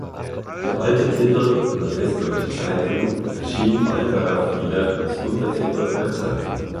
Der alte Titel "Nordwestdeutsche Zeitung" erschien bald darauf wieder als Untertitel der Zeitung.